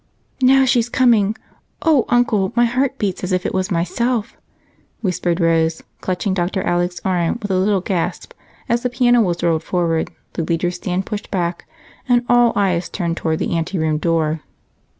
"Now she's coming! Oh, Uncle, my heart beats as if it were myself!" whispered Rose, clutching Dr. Alec's arm with a little gasp as the piano was rolled forward, the leader's stand pushed back, and all eyes turned toward the anteroom door.